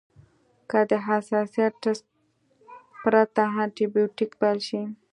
که د حساسیت ټسټ پرته انټي بیوټیک پیل شي.